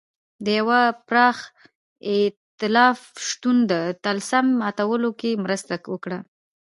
د یوه پراخ اېتلاف شتون د طلسم ماتولو کې مرسته وکړي.